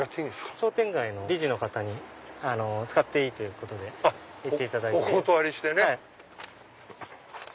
商店街の理事の方に使っていいって言っていただいて。